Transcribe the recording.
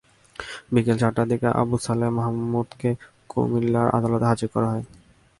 বিকেল চারটার দিকে আবু ছালেহ মাহমুদকে কুমিল্লার আদালতে হাজির করা হয়।